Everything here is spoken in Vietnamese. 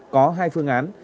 có hai phương án